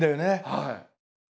はい。